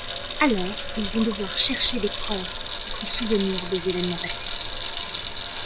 Alors ils vont devoir chercher des preuves pour se souvenir des événements passés.